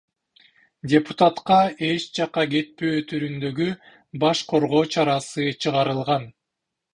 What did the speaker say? Депутатка эч жакка кетпөө түрүндөгү баш коргоо чарасы чыгарылган.